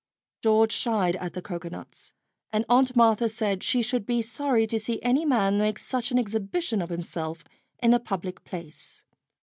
George shied at the cocoanuts, and Aunt Martha said she should be sorry to see any man make such an exhibition of himself in a public place.